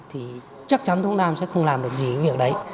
thì chắc chắn thống đam sẽ không làm được gì cái việc đấy